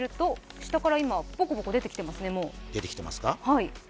下からポコポコ出てきていますね。